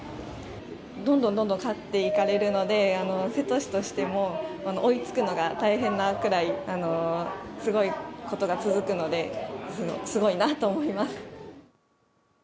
どんどん勝っていかれるので瀬戸市としても追いつくのが大変なくらいすごいことが続くのですごいなと思います。